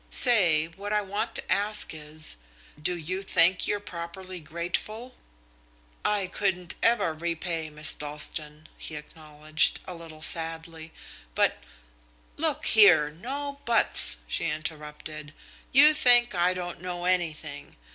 Say, what I want to ask is do you think you're properly grateful?" "I couldn't ever repay Miss Dalstan," he acknowledged, a little sadly, "but " "Look here, no 'buts'!" she interrupted. "You think I don't know anything.